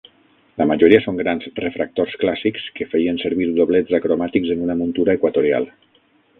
La majoria són grans refractors clàssics que feien servir doblets acromàtics en una muntura equatorial.